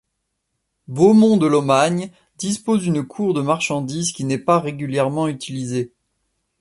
Beaumont-de-Lomagne dispose d'une cour de marchandises qui n'est pas régulièrement utilisée.